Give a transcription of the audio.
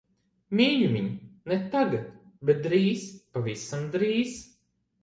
Mīļumiņ, ne tagad. Bet drīz, pavisam drīz.